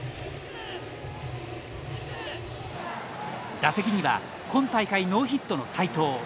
打席には今大会ノーヒットの斎藤。